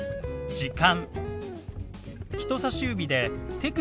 「時間」。